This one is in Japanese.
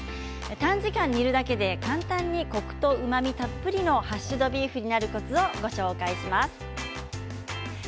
短時間、煮るだけで簡単にコクとうまみたっぷりのハッシュドビーフになるコツをお伝えします。